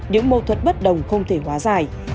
những mâu thuật bất đồng không thể hóa giải